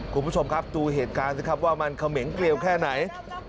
คุณผู้ชมครับดูเหตุการณ์สิครับว่ามันเขมงเกลียวแค่ไหน